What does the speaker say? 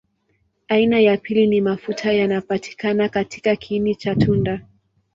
Aina ya pili ni mafuta yanapatikana katika kiini cha tunda.